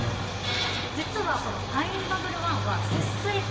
実はこのファインバブルワンは。